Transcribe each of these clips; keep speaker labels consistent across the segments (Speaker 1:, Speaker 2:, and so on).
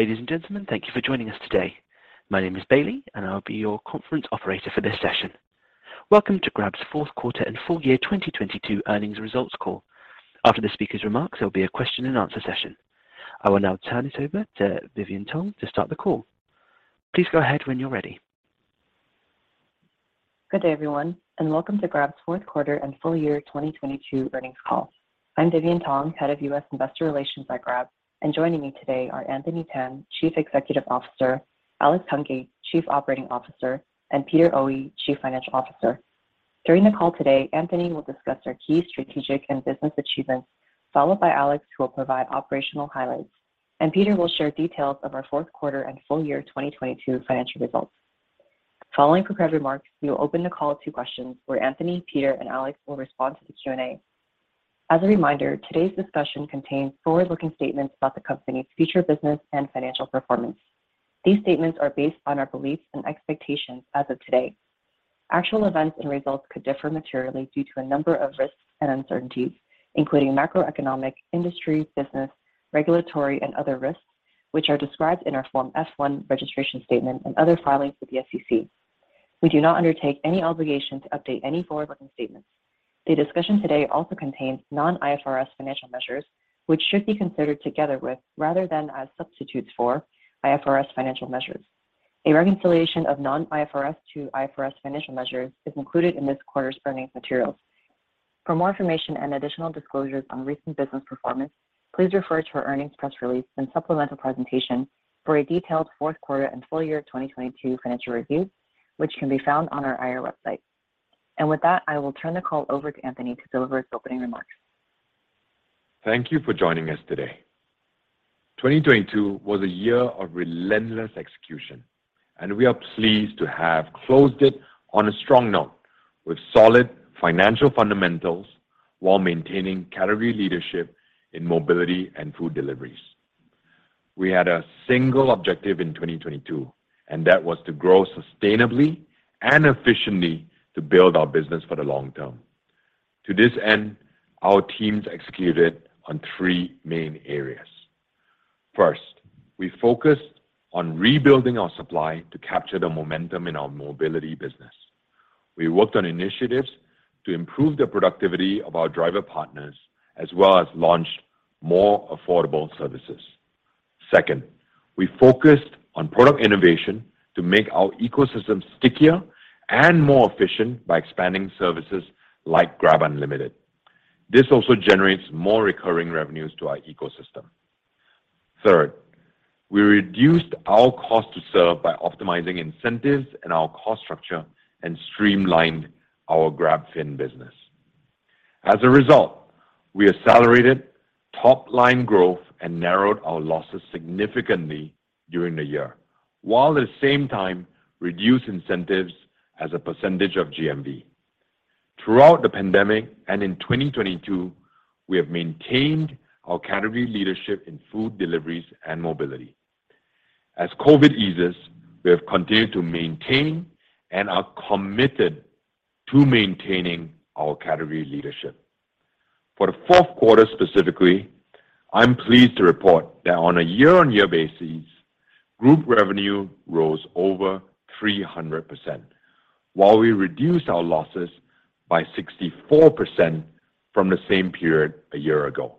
Speaker 1: Ladies and gentlemen, thank you for joining us today. My name is Bailey, and I'll be your conference operator for this session. Welcome to Grab's fourth quarter and full year 2022 earnings results call. After the speaker's remarks, there'll be a question and answer session. I will now turn it over to Vivian Tong to start the call. Please go ahead when you're ready.
Speaker 2: Good day, everyone, welcome to Grab's fourth quarter and full year 2022 earnings call. I'm Vivian Tong, Head of US Investor Relations at Grab. Joining me today are Anthony Tan, Chief Executive Officer, Alex Hungate, Chief Operating Officer, and Peter Oey, Chief Financial Officer. During the call today, Anthony will discuss our key strategic and business achievements, followed by Alex, who will provide operational highlights, and Peter will share details of our fourth quarter and full year 2022 financial results. Following prepared remarks, we will open the call to questions where Anthony, Peter, and Alex will respond to the Q&A. As a reminder, today's discussion contains forward-looking statements about the company's future business and financial performance. These statements are based on our beliefs and expectations as of today. Actual events and results could differ materially due to a number of risks and uncertainties, including macroeconomic, industry, business, regulatory, and other risks, which are described in our Form F-1 registration statement and other filings with the SEC. We do not undertake any obligation to update any forward-looking statements. The discussion today also contains non-IFRS financial measures, which should be considered together with, rather than as substitutes for, IFRS financial measures. A reconciliation of non-IFRS to IFRS financial measures is included in this quarter's earnings materials. For more information and additional disclosures on recent business performance, please refer to our earnings press release and supplemental presentation for a detailed fourth quarter and full year 2022 financial review, which can be found on our IR website. With that, I will turn the call over to Anthony to deliver his opening remarks.
Speaker 3: Thank you for joining us today. 2022 was a year of relentless execution, and we are pleased to have closed it on a strong note with solid financial fundamentals while maintaining category leadership in mobility and food deliveries. We had a single objective in 2022, and that was to grow sustainably and efficiently to build our business for the long term. To this end, our teams executed on three main areas. First, we focused on rebuilding our supply to capture the momentum in our mobility business. We worked on initiatives to improve the productivity of our driver partners, as well as launched more affordable services. Second, we focused on product innovation to make our ecosystem stickier and more efficient by expanding services like GrabUnlimited. This also generates more recurring revenues to our ecosystem. Third, we reduced our cost to serve by optimizing incentives and our cost structure and streamlined our GrabFin business. As a result, we accelerated top-line growth and narrowed our losses significantly during the year, while at the same time reduce incentives as a percentage of GMV. Throughout the pandemic and in 2022, we have maintained our category leadership in food deliveries and mobility. As COVID eases, we have continued to maintain and are committed to maintaining our category leadership. For the fourth quarter specifically, I'm pleased to report that on a year-on-year basis, group revenue rose over 300%, while we reduced our losses by 64% from the same period a year ago.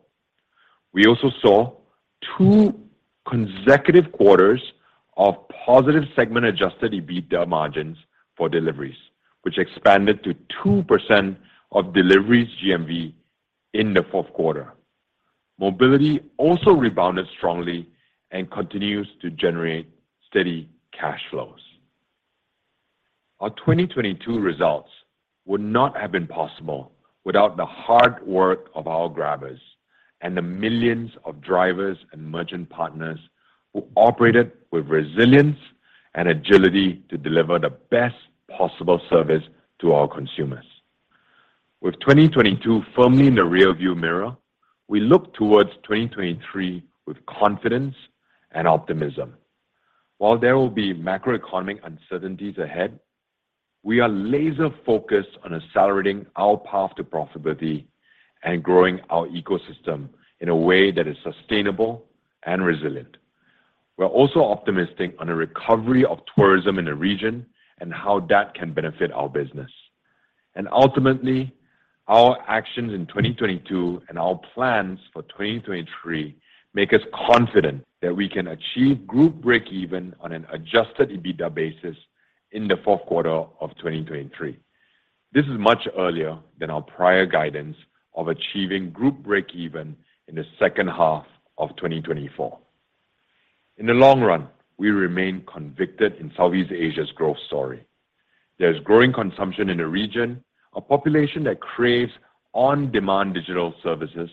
Speaker 3: We also saw two consecutive quarters of positive segment-adjusted EBITDA margins for deliveries, which expanded to 2% of deliveries GMV in the fourth quarter. Mobility also rebounded strongly and continues to generate steady cash flows. Our 2022 results would not have been possible without the hard work of our Grabbers and the millions of drivers and merchant partners who operated with resilience and agility to deliver the best possible service to our consumers. With 2022 firmly in the rear view mirror, we look towards 2023 with confidence and optimism. While there will be macroeconomic uncertainties ahead, we are laser-focused on accelerating our path to profitability and growing our ecosystem in a way that is sustainable and resilient. We're also optimistic on the recovery of tourism in the region and how that can benefit our business. Ultimately, our actions in 2022 and our plans for 2023 make us confident that we can achieve group breakeven on an adjusted EBITDA basis in the fourth quarter of 2023. This is much earlier than our prior guidance of achieving group breakeven in the second half of 2024. In the long run, we remain convicted in Southeast Asia's growth story. There's growing consumption in the region, a population that craves on-demand digital services,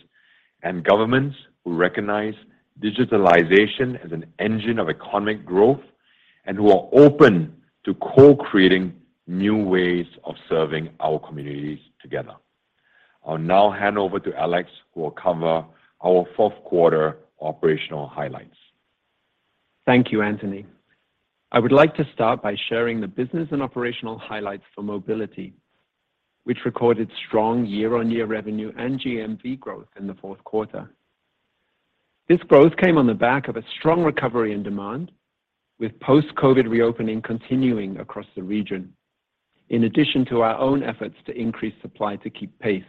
Speaker 3: and governments who recognize digitalization as an engine of economic growth and who are open to co-creating new ways of serving our communities together. I'll now hand over to Alex, who will cover our fourth quarter operational highlights.
Speaker 4: Thank you, Anthony. I would like to start by sharing the business and operational highlights for Mobility, which recorded strong year-on-year revenue and GMV growth in the fourth quarter. This growth came on the back of a strong recovery in demand, with post-COVID reopening continuing across the region. In addition to our own efforts to increase supply to keep pace.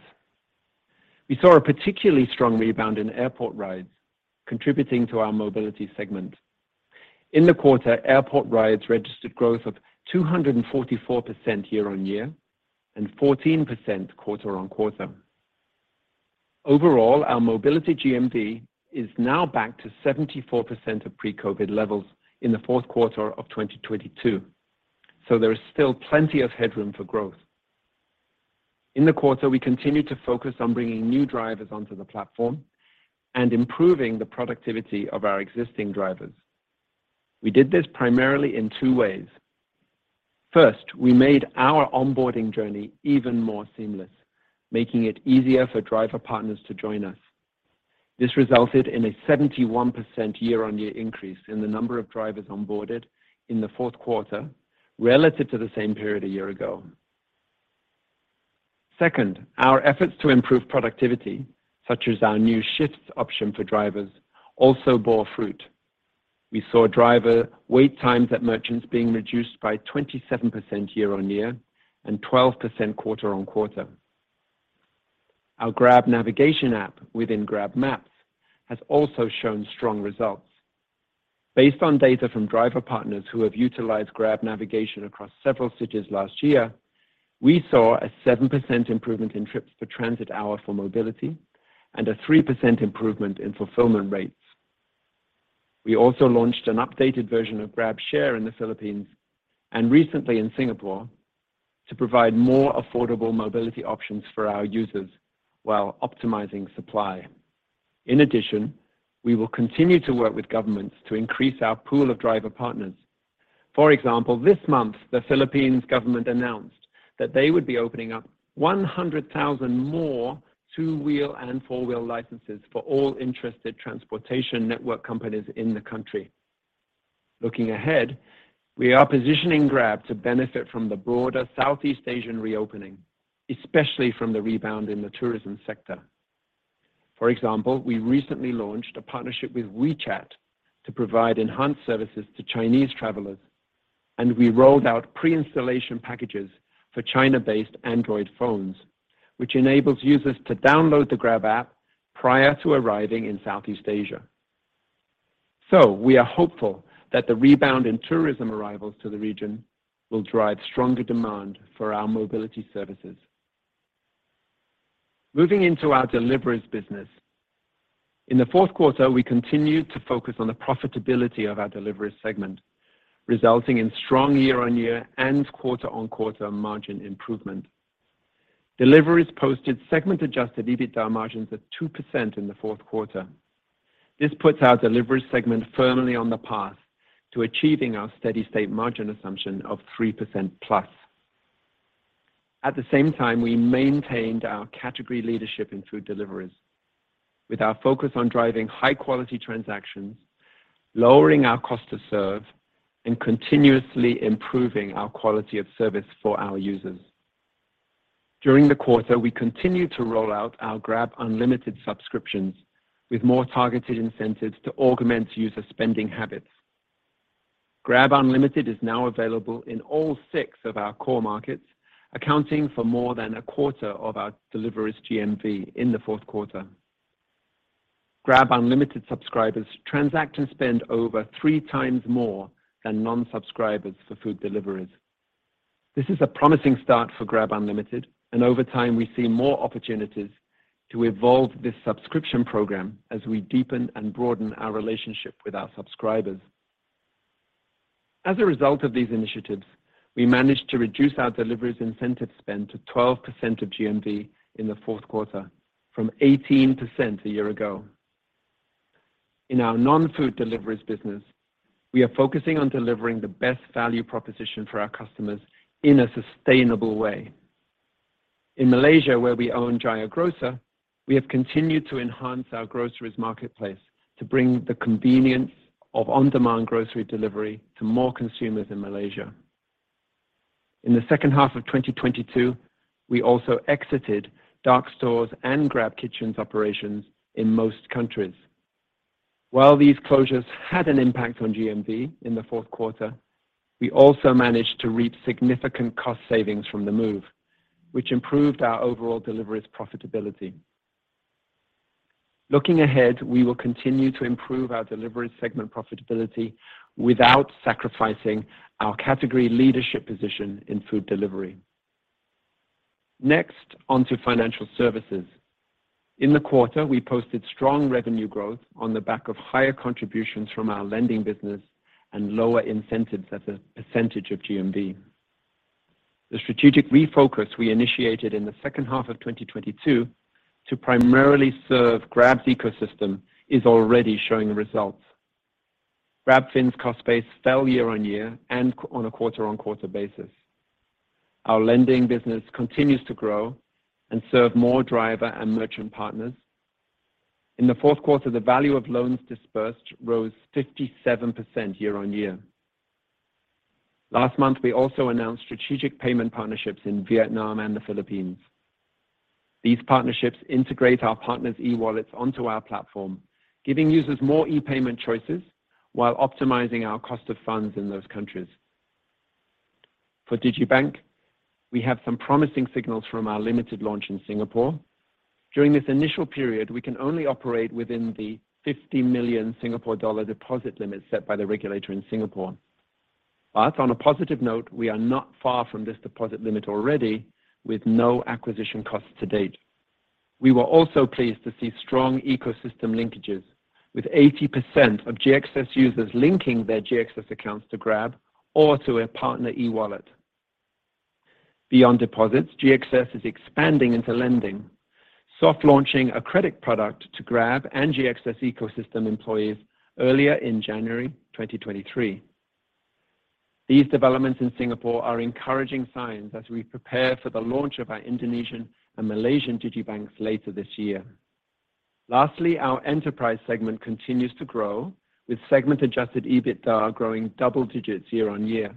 Speaker 4: We saw a particularly strong rebound in airport rides, contributing to our Mobility segment. In the quarter, airport rides registered growth of 244% year-on-year and 14% quarter-on-quarter. Overall, our Mobility GMV is now back to 74% of pre-COVID levels in the fourth quarter of 2022. There is still plenty of headroom for growth. In the quarter, we continued to focus on bringing new drivers onto the platform and improving the productivity of our existing drivers. We did this primarily in two ways. First, we made our onboarding journey even more seamless, making it easier for driver partners to join us. This resulted in a 71% year-on-year increase in the number of drivers onboarded in the 4th quarter relative to the same period a year ago. Second, our efforts to improve productivity, such as our new shifts option for drivers, also bore fruit. We saw driver wait times at merchants being reduced by 27% year-on-year and 12% quarter-on-quarter. Our Grab Navigation app within GrabMaps has also shown strong results. Based on data from driver partners who have utilized Grab Navigation across several cities last year, we saw a 7% improvement in trips per transit hour for mobility and a 3% improvement in fulfillment rates. We also launched an updated version of GrabShare in the Philippines and recently in Singapore to provide more affordable mobility options for our users while optimizing supply. In addition, we will continue to work with governments to increase our pool of driver partners. For example, this month the Philippines government announced that they would be opening up 100,000 more two-wheel and four-wheel licenses for all interested transportation network companies in the country. Looking ahead, we are positioning Grab to benefit from the broader Southeast Asian reopening, especially from the rebound in the tourism sector. For example, we recently launched a partnership with WeChat to provide enhanced services to Chinese travelers. We rolled out pre-installation packages for China-based Android phones, which enables users to download the Grab app prior to arriving in Southeast Asia. We are hopeful that the rebound in tourism arrivals to the region will drive stronger demand for our mobility services. Moving into our deliveries business. In the fourth quarter, we continued to focus on the profitability of our delivery segment, resulting in strong year-on-year and quarter-on-quarter margin improvement. Deliveries posted segment-adjusted EBITDA margins of 2% in the fourth quarter. This puts our delivery segment firmly on the path to achieving our steady state margin assumption of 3% plus. At the same time, we maintained our category leadership in food deliveries with our focus on driving high quality transactions, lowering our cost to serve, and continuously improving our quality of service for our users. During the quarter, we continued to roll out our GrabUnlimited subscriptions with more targeted incentives to augment user spending habits. GrabUnlimited is now available in all six of our core markets, accounting for more than a quarter of our deliveries GMV in the fourth quarter. GrabUnlimited subscribers transact and spend over 3 times more than non-subscribers for food deliveries. This is a promising start for GrabUnlimited. Over time, we see more opportunities to evolve this subscription program as we deepen and broaden our relationship with our subscribers. As a result of these initiatives, we managed to reduce our deliveries incentive spend to 12% of GMV in the fourth quarter from 18% a year ago. In our non-food deliveries business, we are focusing on delivering the best value proposition for our customers in a sustainable way. In Malaysia, where we own Jaya Grocer, we have continued to enhance our groceries marketplace to bring the convenience of on-demand grocery delivery to more consumers in Malaysia. In the second half of 2022, we also exited dark stores and GrabKitchen operations in most countries. While these closures had an impact on GMV in the fourth quarter, we also managed to reap significant cost savings from the move, which improved our overall deliveries profitability. Looking ahead, we will continue to improve our delivery segment profitability without sacrificing our category leadership position in food delivery. On to financial services. In the quarter, we posted strong revenue growth on the back of higher contributions from our lending business and lower incentives as a percentage of GMV. The strategic refocus we initiated in the second half of 2022 to primarily serve Grab's ecosystem is already showing results. GrabFin's cost base fell year-on-year and on a quarter-on-quarter basis. Our lending business continues to grow and serve more driver and merchant partners. In the fourth quarter, the value of loans dispersed rose 57% year-on-year. Last month, we also announced strategic payment partnerships in Vietnam and the Philippines. These partnerships integrate our partners' e-wallets onto our platform, giving users more e-payment choices while optimizing our cost of funds in those countries. For Digibank, we have some promising signals from our limited launch in Singapore. During this initial period, we can only operate within the 50 million Singapore dollar deposit limit set by the regulator in Singapore. On a positive note, we are not far from this deposit limit already with no acquisition costs to date. We were also pleased to see strong ecosystem linkages with 80% of GXS users linking their GXS accounts to Grab or to a partner e-wallet. Beyond deposits, GXS is expanding into lending, soft launching a credit product to Grab and GXS ecosystem employees earlier in January 2023. These developments in Singapore are encouraging signs as we prepare for the launch of our Indonesian and Malaysian digibanks later this year. Our enterprise segment continues to grow with segment-adjusted EBITDA growing double digits year-on-year.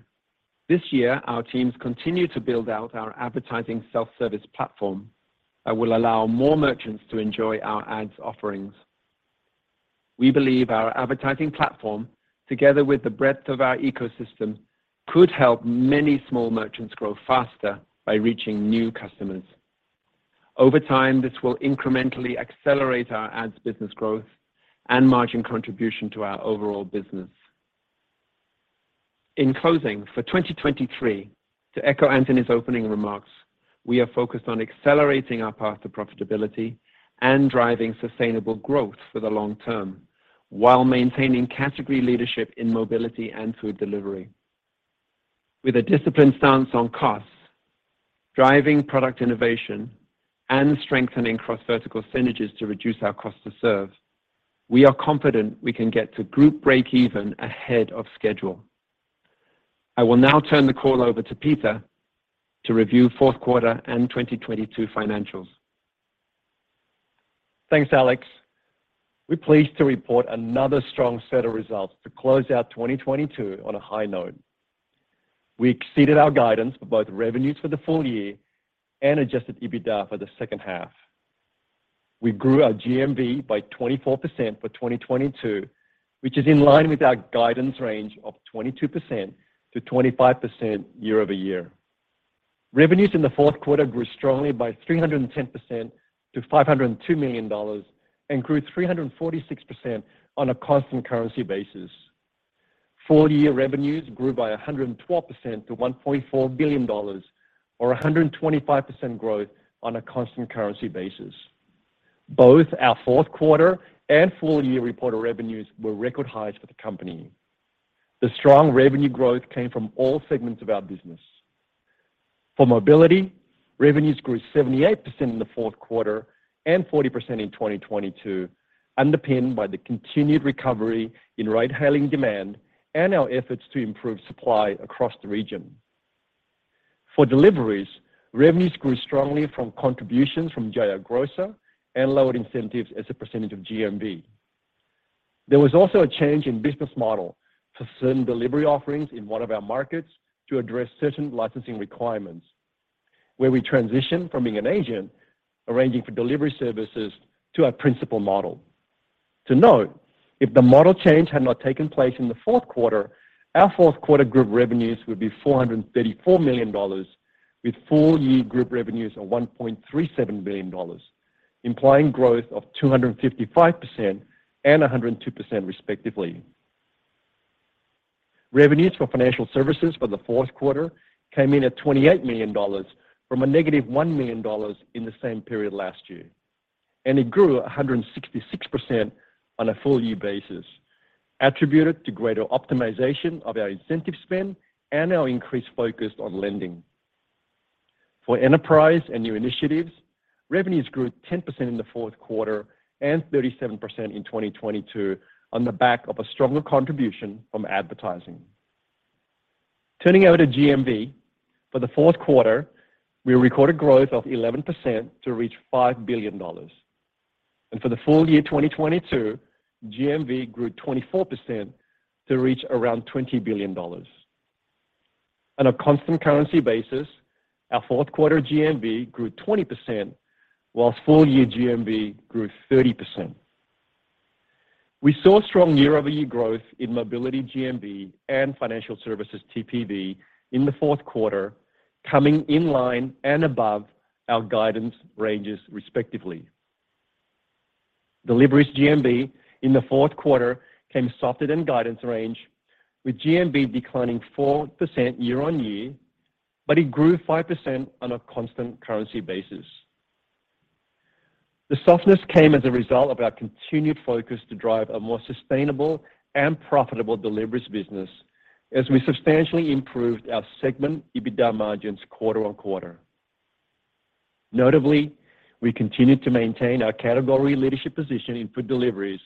Speaker 4: This year, our teams continue to build out our advertising self-service platform that will allow more merchants to enjoy our ads offerings. We believe our advertising platform, together with the breadth of our ecosystem, could help many small merchants grow faster by reaching new customers. Over time, this will incrementally accelerate our ads business growth and margin contribution to our overall business. In closing, for 2023, to echo Anthony's opening remarks, we are focused on accelerating our path to profitability and driving sustainable growth for the long term while maintaining category leadership in mobility and food delivery. With a disciplined stance on costs, driving product innovation, and strengthening cross-vertical synergies to reduce our cost to serve, we are confident we can get to group breakeven ahead of schedule. I will now turn the call over to Peter to review fourth quarter and 2022 financials.
Speaker 5: Thanks, Alex. We're pleased to report another strong set of results to close out 2022 on a high note. We exceeded our guidance for both revenues for the full year and adjusted EBITDA for the second half. We grew our GMV by 24% for 2022, which is in line with our guidance range of 22%-25% year-over-year. Revenues in the fourth quarter grew strongly by 310% to $502 million and grew 346% on a constant currency basis. Full-year revenues grew by 112% to $1.4 billion or 125% growth on a constant currency basis. Both our fourth quarter and full-year reported revenues were record highs for the company. The strong revenue growth came from all segments of our business. For mobility, revenues grew 78% in the fourth quarter and 40% in 2022, underpinned by the continued recovery in ride-hailing demand and our efforts to improve supply across the region. For deliveries, revenues grew strongly from contributions from Jaya Grocer and lower incentives as a percentage of GMV. There was also a change in business model for certain delivery offerings in one of our markets to address certain licensing requirements, where we transitioned from being an agent arranging for delivery services to a principal model. To note, if the model change had not taken place in the fourth quarter, our fourth quarter group revenues would be $434 million, with full-year group revenues of $1.37 billion, implying growth of 255% and 102% respectively. Revenues for financial services for the fourth quarter came in at $28 million from a negative $1 million in the same period last year, and it grew 166% on a full-year basis, attributed to greater optimization of our incentive spend and our increased focus on lending. For enterprise and new initiatives, revenues grew 10% in the fourth quarter and 37% in 2022 on the back of a stronger contribution from advertising. Turning now to GMV. For the fourth quarter, we recorded growth of 11% to reach $5 billion. For the full year 2022, GMV grew 24% to reach around $20 billion. On a constant currency basis, our fourth quarter GMV grew 20%, whilst full-year GMV grew 30%. We saw strong year-over-year growth in mobility GMV and financial services TPV in the fourth quarter, coming in line and above our guidance ranges respectively. Deliveries GMV in the fourth quarter came softer than guidance range, with GMV declining 4% year-on-year. It grew 5% on a constant currency basis. The softness came as a result of our continued focus to drive a more sustainable and profitable deliveries business as we substantially improved our segment EBITDA margins quarter-on-quarter. Notably, we continued to maintain our category leadership position in food deliveries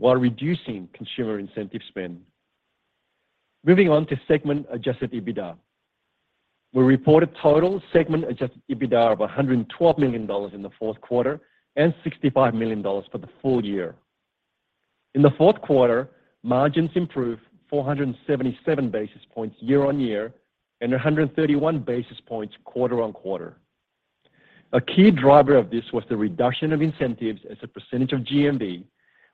Speaker 5: while reducing consumer incentive spend. Moving on to segment-adjusted EBITDA. We reported total segment-adjusted EBITDA of $112 million in the fourth quarter and $65 million for the full year. In the fourth quarter, margins improved 477 basis points year-on-year and 131 basis points quarter-on-quarter. A key driver of this was the reduction of incentives as a percentage of GMV,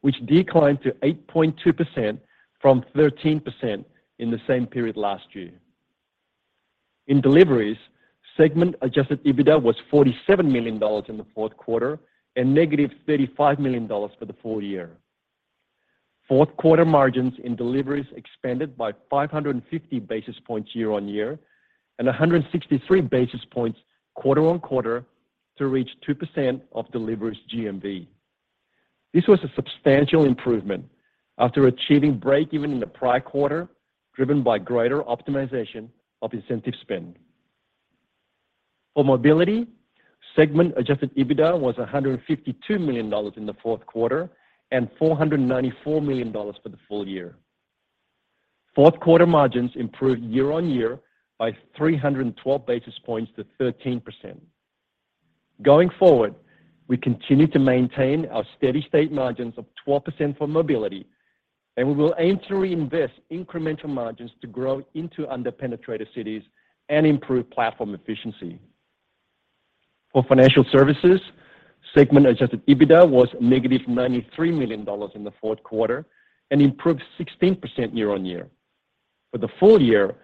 Speaker 5: which declined to 8.2% from 13% in the same period last year. In deliveries, segment-adjusted EBITDA was $47 million in the fourth quarter and negative $35 million for the full year. Fourth quarter margins in deliveries expanded by 550 basis points year-on-year and 163 basis points quarter-on-quarter to reach 2% of deliveries GMV. This was a substantial improvement after achieving breakeven in the prior quarter, driven by greater optimization of incentive spend. For mobility, segment-adjusted EBITDA was $152 million in the fourth quarter and $494 million for the full year. Fourth quarter margins improved year-on-year by 312 basis points to 13%. Going forward, we continue to maintain our steady-state margins of 12% for mobility, and we will aim to reinvest incremental margins to grow into under-penetrated cities and improve platform efficiency. For financial services, segment-adjusted EBITDA was -$93 million in the fourth quarter and improved 16% year-on-year. For the full year,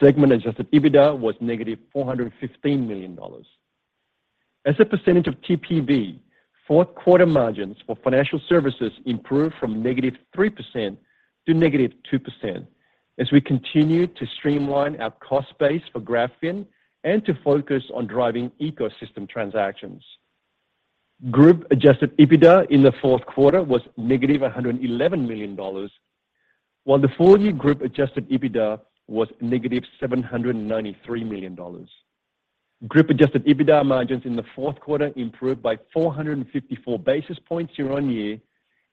Speaker 5: segment-adjusted EBITDA was -$415 million. As a percentage of TPV, fourth quarter margins for financial services improved from -3% to -2% as we continue to streamline our cost base for GrabFin and to focus on driving ecosystem transactions. Group adjusted EBITDA in the fourth quarter was -$111 million, while the full-year Group adjusted EBITDA was -$793 million. Group adjusted EBITDA margins in the fourth quarter improved by 454 basis points year-on-year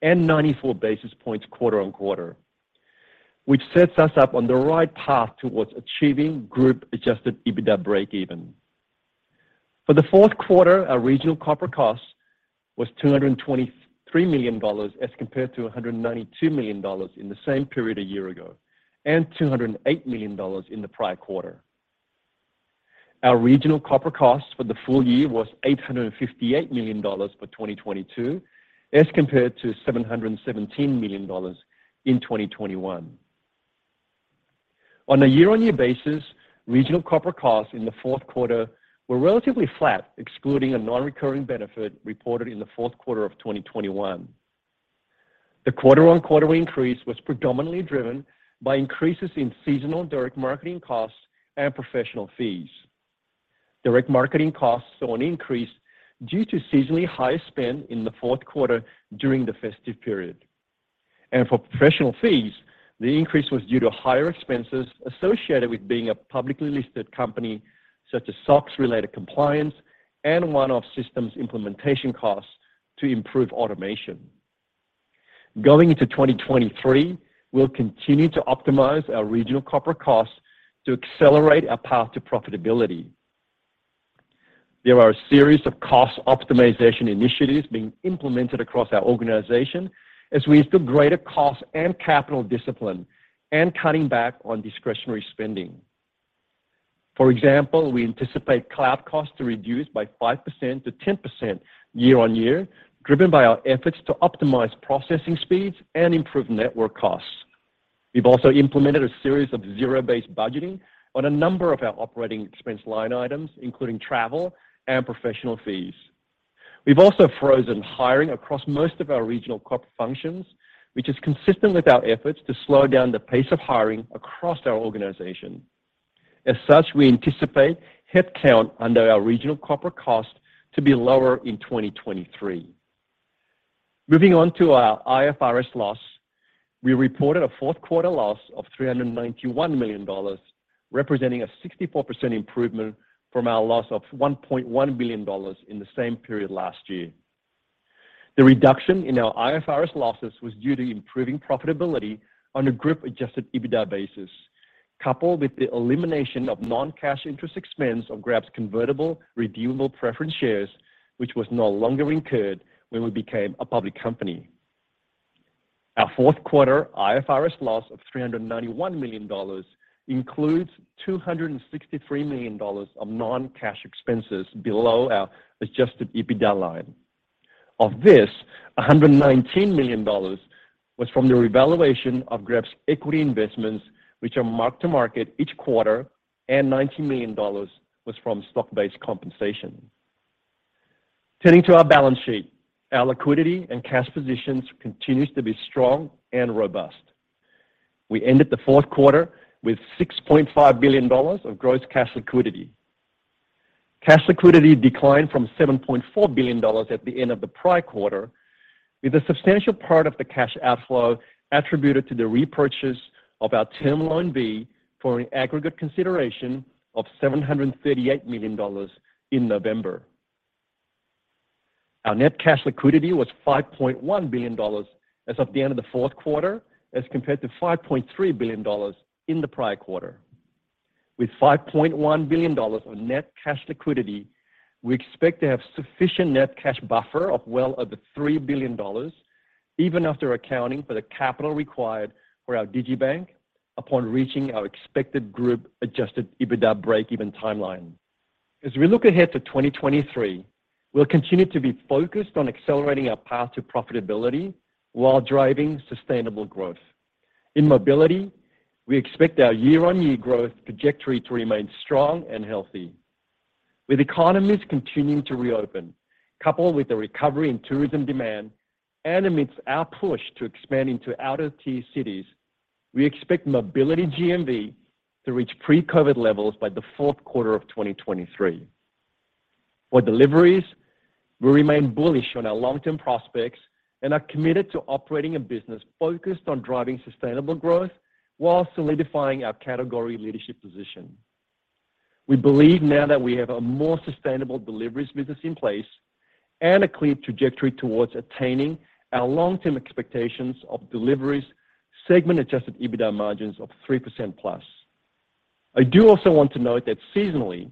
Speaker 5: and 94 basis points quarter-on-quarter, which sets us up on the right path towards achieving group adjusted EBITDA breakeven. For the fourth quarter, our regional corporate cost was $223 million as compared to $192 million in the same period a year ago, and $208 million in the prior quarter. Our regional corporate cost for the full year was $858 million for 2022 as compared to $717 million in 2021. On a year-on-year basis, regional corporate costs in the fourth quarter were relatively flat, excluding a non-recurring benefit reported in the fourth quarter of 2021. The quarter-on-quarter increase was predominantly driven by increases in seasonal direct marketing costs and professional fees. Direct marketing costs saw an increase due to seasonally higher spend in the fourth quarter during the festive period. For professional fees, the increase was due to higher expenses associated with being a publicly listed company, such as SOX-related compliance and one-off systems implementation costs to improve automation. Going into 2023, we'll continue to optimize our regional corporate costs to accelerate our path to profitability. There are a series of cost optimization initiatives being implemented across our organization as we instill greater cost and capital discipline and cutting back on discretionary spending. For example, we anticipate cloud costs to reduce by 5%-10% year-on-year, driven by our efforts to optimize processing speeds and improve network costs. We've also implemented a series of zero-based budgeting on a number of our operating expense line items, including travel and professional fees. We've also frozen hiring across most of our regional corporate functions, which is consistent with our efforts to slow down the pace of hiring across our organization. As such, we anticipate headcount under our regional corporate cost to be lower in 2023. Moving on to our IFRS loss. We reported a fourth quarter loss of $391 million, representing a 64% improvement from our loss of $1.1 billion in the same period last year. The reduction in our IFRS losses was due to improving profitability on a group-adjusted EBITDA basis, coupled with the elimination of non-cash interest expense on Grab's convertible redeemable preference shares, which was no longer incurred when we became a public company. Our fourth quarter IFRS loss of $391 million includes $263 million of non-cash expenses below our adjusted EBITDA line. Of this, $119 million was from the revaluation of Grab's equity investments, which are mark-to-market each quarter, and $90 million was from stock-based compensation. Turning to our balance sheet. Our liquidity and cash positions continues to be strong and robust. We ended the fourth quarter with $6.5 billion of gross cash liquidity. Cash liquidity declined from $7.4 billion at the end of the prior quarter, with a substantial part of the cash outflow attributed to the repurchase of our Term Loan B for an aggregate consideration of $738 million in November. Our net cash liquidity was $5.1 billion as of the end of the fourth quarter, as compared to $5.3 billion in the prior quarter. With $5.1 billion of net cash liquidity, we expect to have sufficient net cash buffer of well over $3 billion even after accounting for the capital required for our Digibank upon reaching our expected group adjusted EBITDA breakeven timeline. As we look ahead to 2023, we'll continue to be focused on accelerating our path to profitability while driving sustainable growth. In mobility, we expect our year-on-year growth trajectory to remain strong and healthy. With economies continuing to reopen, coupled with the recovery in tourism demand and amidst our push to expand into out-of-tier cities, we expect mobility GMV to reach pre-COVID levels by the fourth quarter of 2023. For deliveries, we remain bullish on our long-term prospects and are committed to operating a business focused on driving sustainable growth while solidifying our category leadership position. We believe now that we have a more sustainable deliveries business in place and a clear trajectory towards attaining our long-term expectations of deliveries segment-adjusted EBITDA margins of 3%+. I do also want to note that seasonally,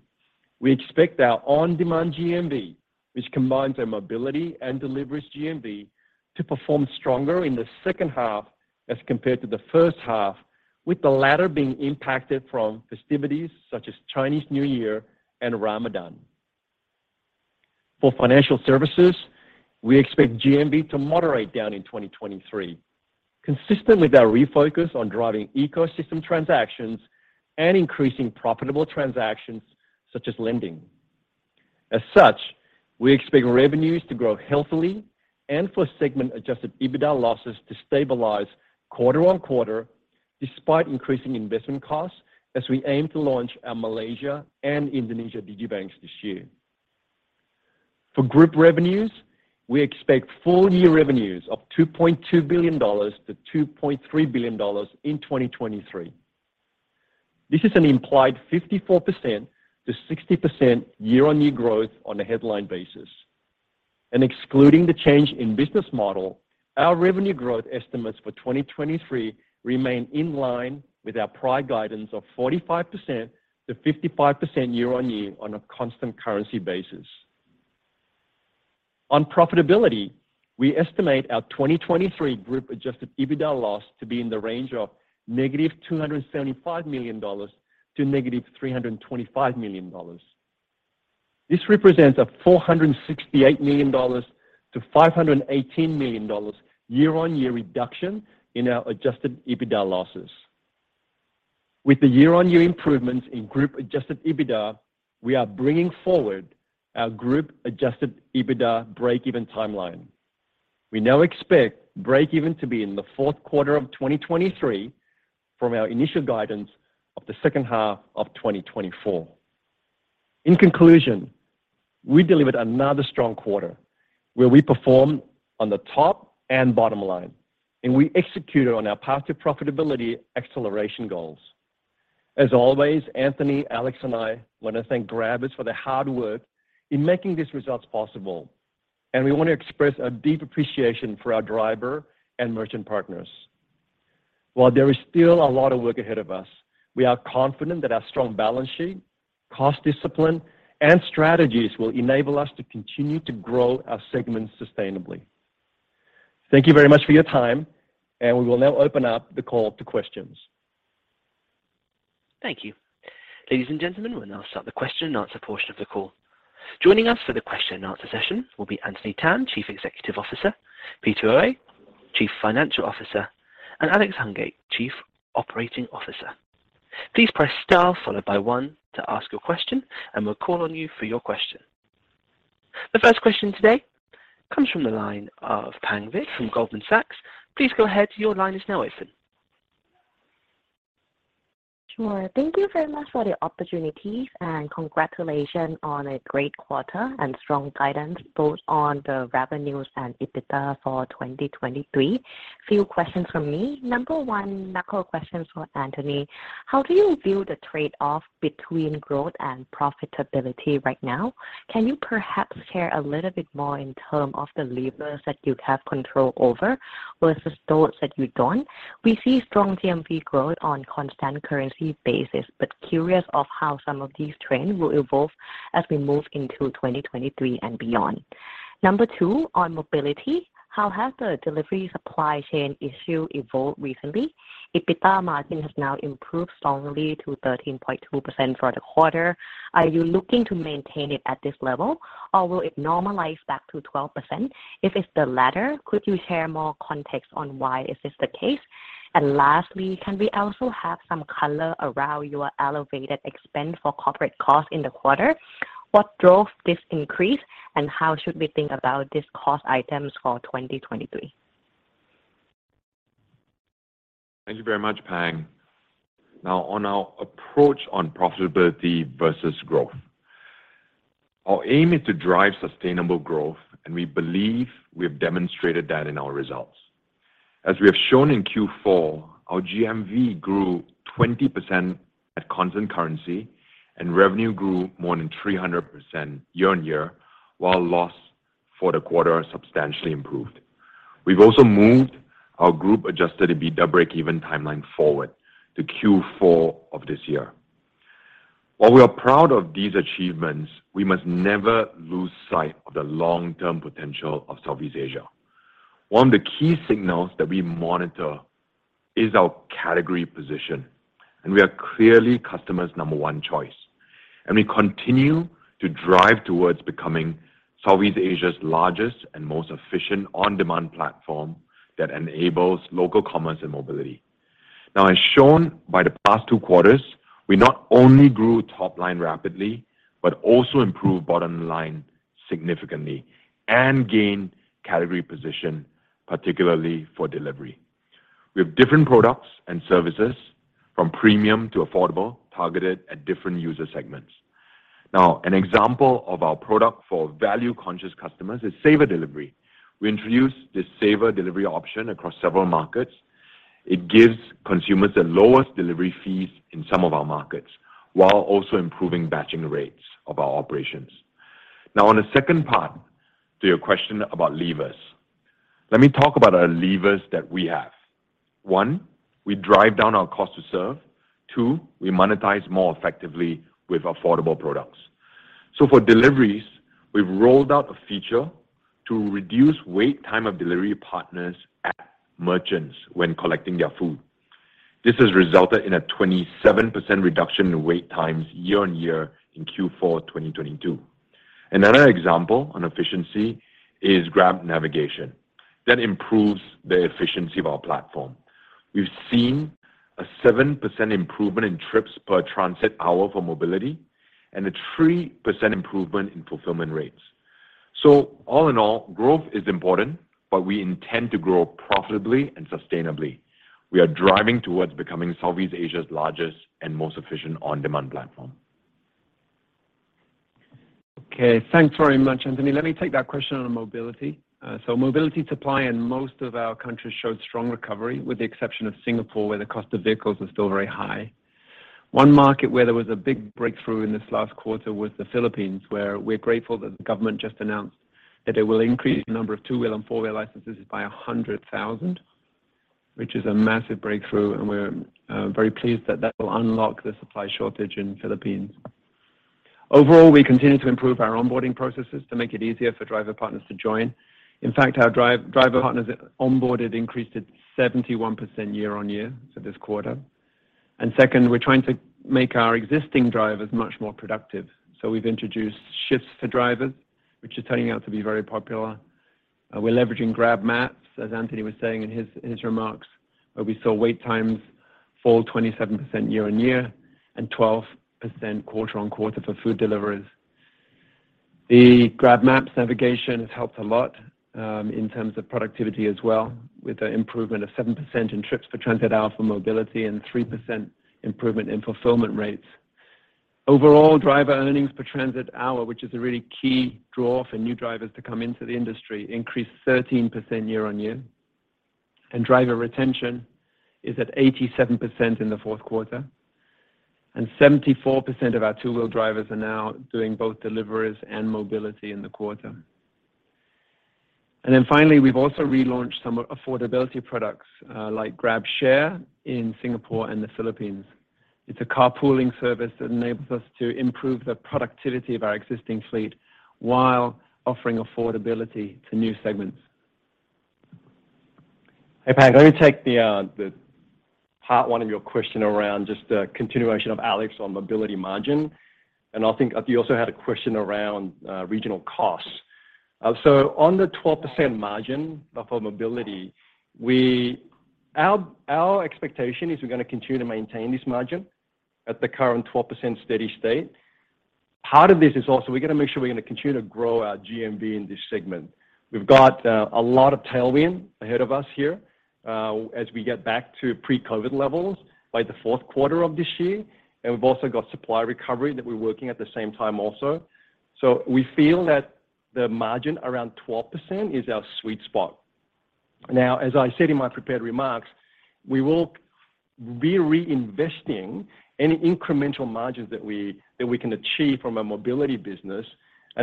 Speaker 5: we expect our on-demand GMV, which combines our mobility and deliveries GMV, to perform stronger in the second half as compared to the first half, with the latter being impacted from festivities such as Chinese New Year and Ramadan. For financial services, we expect GMV to moderate down in 2023, consistent with our refocus on driving ecosystem transactions and increasing profitable transactions such as lending. As such, we expect revenues to grow healthily and for segment-adjusted EBITDA losses to stabilize quarter on quarter despite increasing investment costs as we aim to launch our Malaysia and Indonesia Digibanks this year. For group revenues, we expect full-year revenues of $2.2 billion-$2.3 billion in 2023. This is an implied 54%-60% year-on-year growth on a headline basis. Excluding the change in business model, our revenue growth estimates for 2023 remain in line with our prior guidance of 45%-55% year-on-year on a constant currency basis. On profitability, we estimate our 2023 group adjusted EBITDA loss to be in the range of -$275 million - -$325 million. This represents a $468 million-$518 million year-on-year reduction in our adjusted EBITDA losses. With the year-on-year improvements in group adjusted EBITDA, we are bringing forward our group adjusted EBITDA breakeven timeline. We now expect breakeven to be in the fourth quarter of 2023 from our initial guidance of the second half of 2024. In conclusion, we delivered another strong quarter where we performed on the top and bottom line, and we executed on our path to profitability acceleration goals. As always, Anthony, Alex, and I want to thank Grabbers for their hard work in making these results possible. We want to express a deep appreciation for our driver and merchant partners. While there is still a lot of work ahead of us, we are confident that our strong balance sheet, cost discipline, and strategies will enable us to continue to grow our segments sustainably. Thank you very much for your time, and we will now open up the call to questions.
Speaker 1: Thank you. Ladies and gentlemen, we'll now start the question and answer portion of the call. Joining us for the question and answer session will be Anthony Tan, Chief Executive Officer, Peter Oey, Chief Financial Officer, and Alex Hungate, Chief Operating Officer. Please press star followed by one to ask your question, and we'll call on you for your question. The first question today comes from the line of Pang Vittayaamnuaykoon from Goldman Sachs. Please go ahead. Your line is now open.
Speaker 6: Sure. Thank you very much for the opportunity and congratulations on a great quarter and strong guidance both on the revenues and EBITDA for 2023. Few questions from me. Number one, macro questions for Anthony. How do you view the trade-off between growth and profitability right now? Can you perhaps share a little bit more in terms of the levers that you have control over versus those that you don't? We see strong GMV growth on constant currency basis, but curious of how some of these trends will evolve as we move into 2023 and beyond. Number two, on mobility, how has the delivery supply chain issue evolved recently? EBITDA margin has now improved strongly to 13.2% for the quarter. Are you looking to maintain it at this level or will it normalize back to 12%? If it's the latter, could you share more context on why is this the case? Lastly, can we also have some color around your elevated expense for corporate costs in the quarter? What drove this increase, and how should we think about these cost items for 2023?
Speaker 3: Thank you very much, Pang. On our approach on profitability versus growth. Our aim is to drive sustainable groth, and we believe we have demonstrated that in our results. As we have shown in Q4, our GMV grew 20% at constant currency and revenue grew more than 300% year-on-year, while loss for the quarter substantially improved. We've also moved our group-adjusted EBITDA breakeven timeline forward to Q4 of this year. While we are proud of these achievements, we must never lose sight of the long-term potential of Southeast Asia. One of the key signals that we monitor is our category position, and we are clearly customers' number one choice. We continue to drive towards becoming Southeast Asia's largest and most efficient on-demand platform that enables local commerce and mobility. As shown by the past two quarters, we not only grew top line rapidly, but also improved bottom line significantly and gained category position, particularly for delivery. We have different products and services from premium to affordable, targeted at different user segments. An example of our product for value-conscious customers is Saver Delivery. We introduced this Saver Delivery option across several markets. It gives consumers the lowest delivery fees in some of our markets, while also improving batching rates of our operations. On the second part to your question about levers, let me talk about our levers that we have. One, we drive down our cost to serve. Two, we monetize more effectively with affordable products. For deliveries, we've rolled out a feature to reduce wait time of delivery partners at merchants when collecting their food. This has resulted in a 27% reduction in wait times year-on-year in Q4 2022. Another example on efficiency is Grab Navigation. That improves the efficiency of our platform. We've seen a 7% improvement in trips per transit hour for mobility and a 3% improvement in fulfillment rates. All in all, growth is important, but we intend to grow profitably and sustainably. We are driving towards becoming Southeast Asia's largest and most efficient on-demand platform.
Speaker 4: Okay. Thanks very much, Anthony. Let me take that question on mobility. Mobility supply in most of our countries showed strong recovery, with the exception of Singapore, where the cost of vehicles is still very high. One market where there was a big breakthrough in this last quarter was the Philippines, where we're grateful that the government just announced that they will increase the number of two-wheel and four-wheel licenses by 100,000, which is a massive breakthrough, we're very pleased that that will unlock the supply shortage in Philippines. Overall, we continue to improve our onboarding processes to make it easier for driver partners to join. In fact, our driver partners onboarded increased at 71% year-on-year for this quarter. Second, we're trying to make our existing drivers much more productive. We've introduced shifts for drivers, which is turning out to be very popular. We're leveraging Grab Maps, as Anthony was saying in his remarks, where we saw wait times fall 27% year-on-year and 12% quarter-on-quarter for food deliveries. The Grab Maps navigation has helped a lot in terms of productivity as well, with an improvement of 7% in trips per transit hour for mobility and 3% improvement in fulfillment rates. Overall, driver earnings per transit hour, which is a really key draw for new drivers to come into the industry, increased 13% year-on-year. Driver retention is at 87% in the fourth quarter, and 74% of our two-wheel drivers are now doing both deliveries and mobility in the quarter. Finally, we've also relaunched some affordability products like GrabShare in Singapore and the Philippines. It's a carpooling service that enables us to improve the productivity of our existing fleet while offering affordability to new segments.
Speaker 5: Hey, Pang, let me take the part one of your question around just a continuation of Alex on mobility margin, and I think you also had a question around regional costs. On the 12% margin for mobility, our expectation is we're gonna continue to maintain this margin at the current 12% steady state. Part of this is also, we're gonna make sure we're gonna continue to grow our GMV in this segment. We've got a lot of tailwind ahead of us here as we get back to pre-COVID levels by the fourth quarter of this year. We've also got supply recovery that we're working at the same time also. We feel that the margin around 12% is our sweet spot. As I said in my prepared remarks, we will be reinvesting any incremental margins that we can achieve from a mobility business.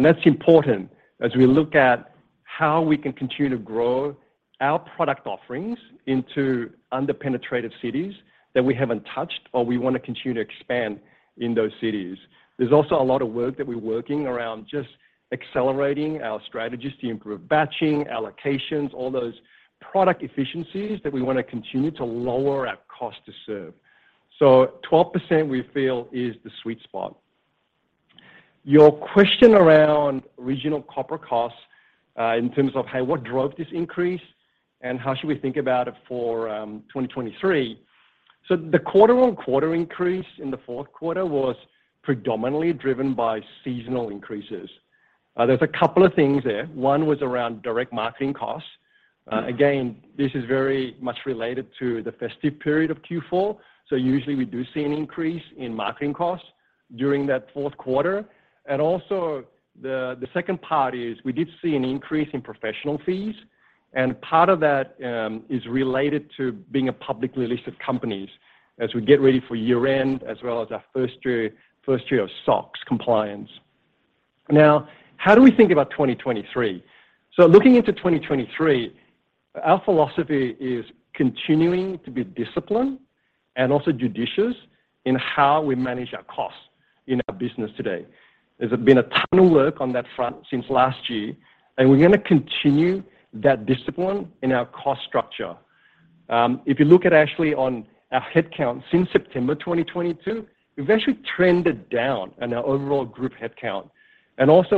Speaker 5: That's important as we look at how we can continue to grow our product offerings into under-penetrated cities that we haven't touched, or we wanna continue to expand in those cities. There's also a lot of work that we're working around just accelerating our strategies to improve batching, allocations, all those product efficiencies that we wanna continue to lower our cost to serve. 12%, we feel, is the sweet spot. Your question around regional corporate costs, in terms of, hey, what drove this increase and how should we think about it for 2023. The quarter-on-quarter increase in the fourth quarter was predominantly driven by seasonal increases. There's a couple of things there. One was around direct marketing costs. Again, this is very much related to the festive period of Q4, so usually we do see an increase in marketing costs. During that fourth quarter. The second part is we did see an increase in professional fees, and part of that is related to being a publicly listed company as we get ready for year-end as well as our first year of SOX compliance. How do we think about 2023? Looking into 2023, our philosophy is continuing to be disciplined and also judicious in how we manage our costs in our business today. There's been a ton of work on that front since last year, and we're gonna continue that discipline in our cost structure. If you look at actually on our headcount since September 2022, we've actually trended down in our overall group headcount.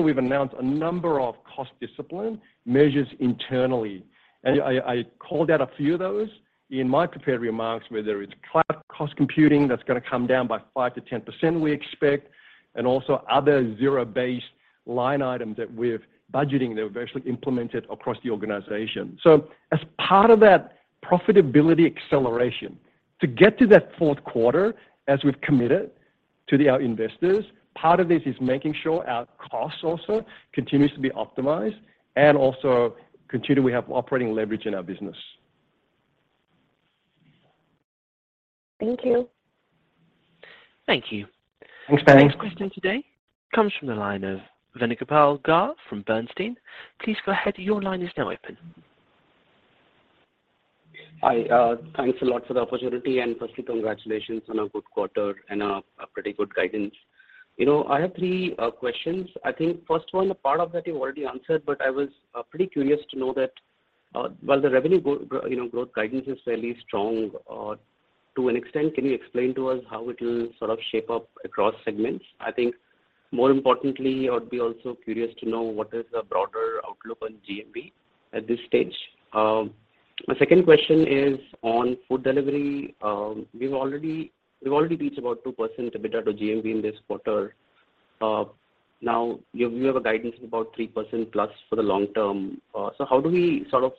Speaker 5: We've announced a number of cost discipline measures internally. I called out a few of those in my prepared remarks, whether it's cloud cost computing that's gonna come down by 5% to 10% we expect, and also other zero-based budgeting line items that we're budgeting that we've actually implemented across the organization. As part of that profitability acceleration, to get to that fourth quarter as we've committed to our investors, part of this is making sure our costs also continues to be optimized and also continue we have operating leverage in our business.
Speaker 7: Thank you.
Speaker 1: Thank you.
Speaker 5: Thanks, Pang.
Speaker 1: Our next question today comes from the line of Venugopal Garre from Bernstein. Please go ahead. Your line is now open.
Speaker 8: Hi. Thanks a lot for the opportunity. Firstly, congratulations on a good quarter and a pretty good guidance. You know, I have three questions. First one, a part of that you already answered, but I was pretty curious to know that while the revenue, you know, growth guidance is fairly strong to an extent, can you explain to us how it will sort of shape up across segments? More importantly, I'd be also curious to know what is the broader outlook on GMV at this stage. My second question is on food delivery. We've already reached about 2% EBITDA to GMV in this quarter. Now you have a guidance of about 3% plus for the long term. How do we sort of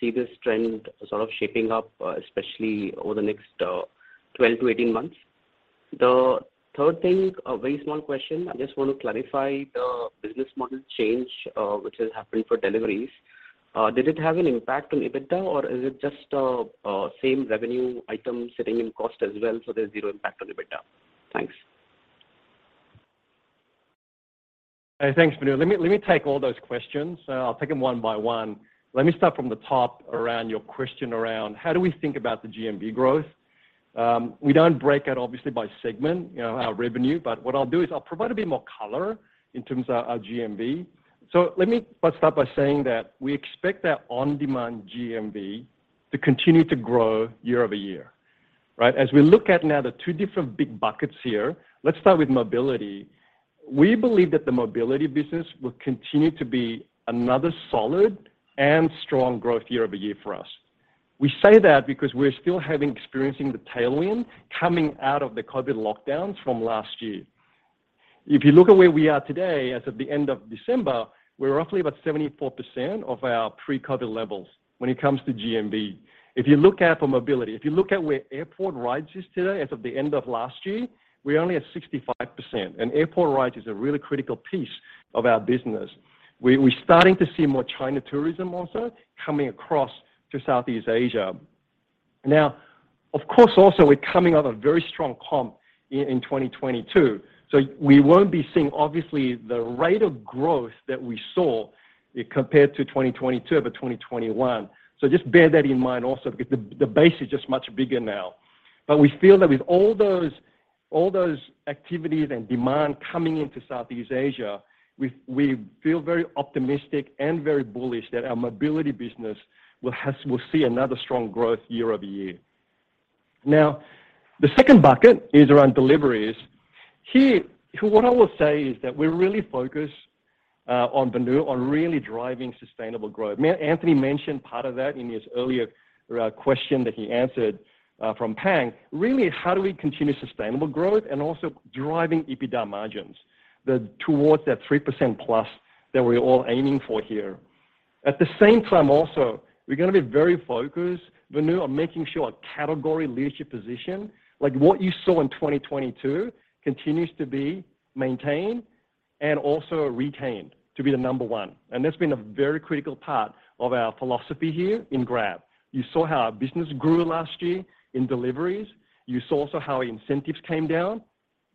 Speaker 8: see this trend sort of shaping up, especially over the next 12-18 months? The third thing, a very small question. I just want to clarify the business model change, which has happened for deliveries. Did it have an impact on EBITDA, or is it just same revenue item sitting in cost as well, so there's zero impact on EBITDA? Thanks.
Speaker 5: Thanks, Venu. Let me take all those questions. I'll take them one by one. Let me start from the top around your question around how do we think about the GMV growth. We don't break out obviously by segment, you know, our revenue. What I'll do is I'll provide a bit more color in terms of our GMV. Let me start by saying that we expect our on-demand GMV to continue to grow year-over-year, right? As we look at now the two different big buckets here, let's start with mobility. We believe that the mobility business will continue to be another solid and strong growth year-over-year for us. We say that because we're still experiencing the tailwind coming out of the COVID lockdowns from last year. If you look at where we are today, as of the end of December, we're roughly about 74% of our pre-COVID levels when it comes to GMV. If you look out for mobility, if you look at where airport rides is today, as of the end of last year, we're only at 65%. Airport rides is a really critical piece of our business. We're starting to see more China tourism also coming across to Southeast Asia. Now, of course, also we're coming out of a very strong comp in 2022, so we won't be seeing obviously the rate of growth that we saw compared to 2022 over 2021. Just bear that in mind also because the base is just much bigger now. We feel that with all those activities and demand coming into Southeast Asia, we feel very optimistic and very bullish that our mobility business will see another strong growth year-over-year. The second bucket is around deliveries. Here, what I will say is that we're really focused on Venu, on really driving sustainable growth. Anthony mentioned part of that in his earlier question that he answered from Pang. Really, how do we continue sustainable growth and also driving EBITDA margins towards that 3% plus that we're all aiming for here. At the same time also, we're gonna be very focused, Venu, on making sure our category leadership position, like what you saw in 2022, continues to be maintained and also retained to be the number one. That's been a very critical part of our philosophy here in Grab. You saw how our business grew last year in deliveries. You saw also how our incentives came down,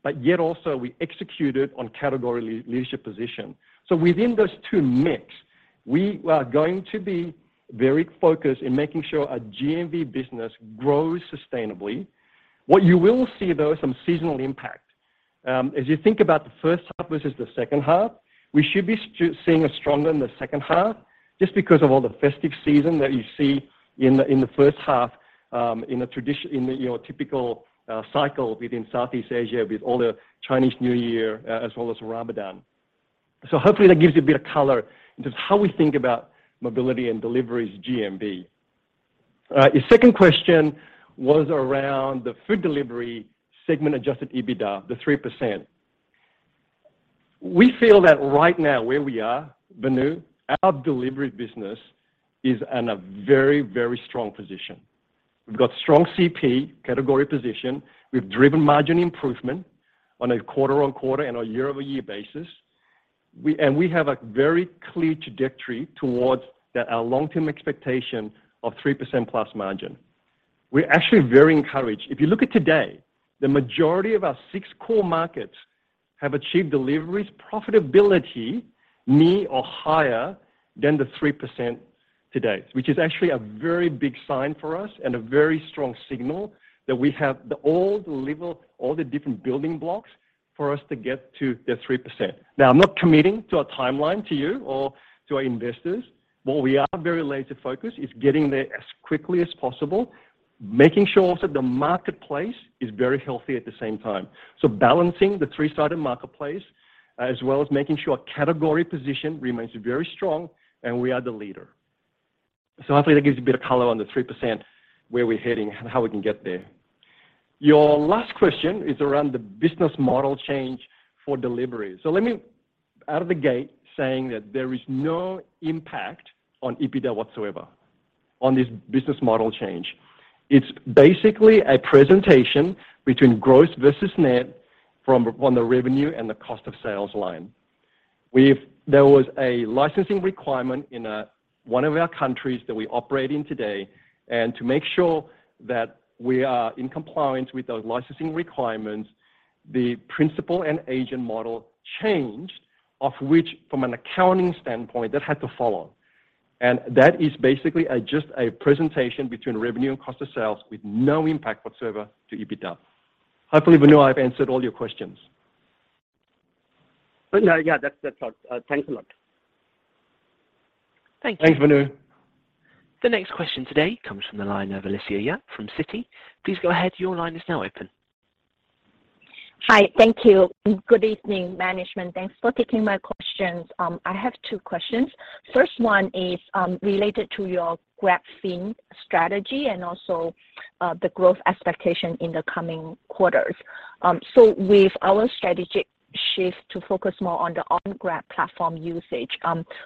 Speaker 5: but yet also we executed on category leadership position. Within those two mix, we are going to be very focused in making sure our GMV business grows sustainably. What you will see, though, is some seasonal impact. As you think about the first half versus the second half, we should be seeing a stronger in the second half just because of all the festive season that you see in the first half, in a typical cycle within Southeast Asia with all the Chinese New Year as well as Ramadan. Hopefully that gives you a bit of color into how we think about mobility and deliveries GMV. Your second question was around the food delivery segment adjusted EBITDA, the 3%. We feel that right now where we are, Venu, our delivery business is in a very, very strong position. We've got strong CP, category position. We've driven margin improvement on a quarter-on-quarter and a year-over-year basis. We, and we have a very clear trajectory towards that our long-term expectation of 3% plus margin. We're actually very encouraged. If you look at today, the majority of our six core markets have achieved deliveries profitability near or higher than the 3% today, which is actually a very big sign for us and a very strong signal that we have the all the level, all the different building blocks for us to get to the 3%. I'm not committing to a timeline to you or to our investors, but we are very laser focused. It's getting there as quickly as possible, making sure also the marketplace is very healthy at the same time. Balancing the three-sided marketplace as well as making sure category position remains very strong, and we are the leader. Hopefully that gives you a bit of color on the 3% where we're heading and how we can get there. Your last question is around the business model change for delivery. Let me out of the gate saying that there is no impact on EBITDA whatsoever on this business model change. It's basically a presentation between gross versus net from, on the revenue and the cost of sales line. We've There was a licensing requirement in one of our countries that we operate in today. To make sure that we are in compliance with those licensing requirements, the principal and agent model changed, of which from an accounting standpoint, that had to follow. That is basically a, just a presentation between revenue and cost of sales with no impact whatsoever to EBITDA. Hopefully, Venu, I've answered all your questions?
Speaker 9: Yeah, yeah, that's all. Thanks a lot.
Speaker 5: Thank you.
Speaker 4: Thanks, Venu.
Speaker 1: The next question today comes from the line of Alicia Yap from Citi. Please go ahead. Your line is now open.
Speaker 10: Hi. Thank you. Good evening, management. Thanks for taking my questions. I have two questions. First one is, related to your GrabFin strategy and also, the growth expectation in the coming quarters. With our strategic shift to focus more on the on-Grab platform usage,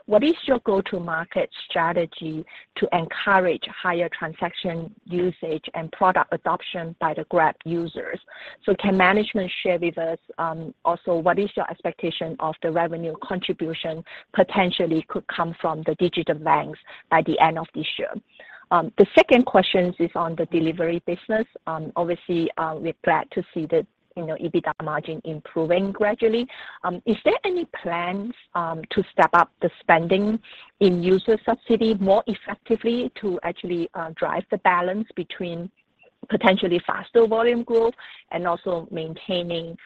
Speaker 10: what is your go-to-market strategy to encourage higher transaction usage and product adoption by the Grab users? Can management share with us, also what is your expectation of the revenue contribution potentially could come from the digital banks by the end of this year? The second question is on the delivery business. Obviously, we're glad to see the, you know, EBITDA margin improving gradually. Is there any plans to step up the spending in user subsidy more effectively to actually, drive the balance between potentially faster volume growth and also maintaining,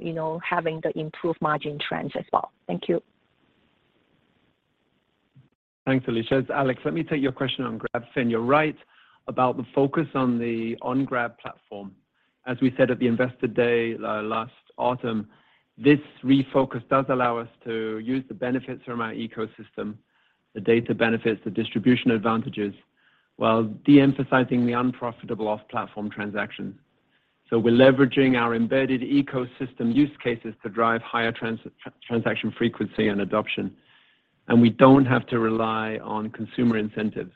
Speaker 10: you know, having the improved margin trends as well? Thank you.
Speaker 4: Thanks, Alicia. It's Alex. Let me take your question on GrabFin. You're right about the focus on the on-Grab platform. As we said at the Investor Day, last autumn, this refocus does allow us to use the benefits from our ecosystem, the data benefits, the distribution advantages, while de-emphasizing the unprofitable off-platform transactions. We're leveraging our embedded ecosystem use cases to drive higher transaction frequency and adoption. We don't have to rely on consumer incentives.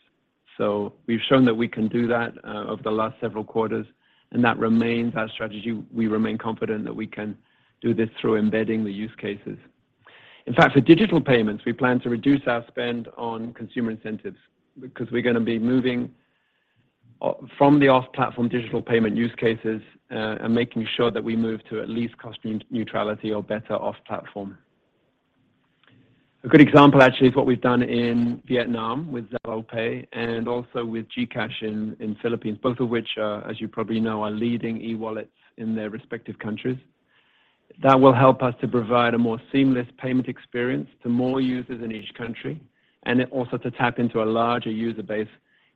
Speaker 4: We've shown that we can do that, over the last several quarters, and that remains our strategy. We remain confident that we can do this through embedding the use cases. In fact, for digital payments, we plan to reduce our spend on consumer incentives because we're gonna be moving from the off-platform digital payment use cases and making sure that we move to at least cost neutrality or better off platform. A good example actually is what we've done in Vietnam with ZaloPay and also with GCash in Philippines, both of which are, as you probably know, are leading e-wallets in their respective countries. That will help us to provide a more seamless payment experience to more users in each country, and then also to tap into a larger user base